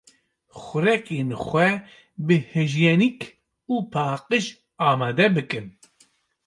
Xurekên xwe bi hîjyenîk û paqîj amade bikin.